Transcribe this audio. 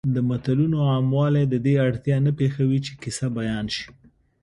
د متلونو عاموالی د دې اړتیا نه پېښوي چې کیسه بیان شي